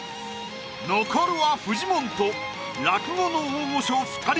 残るはフジモンと落語の大御所２人。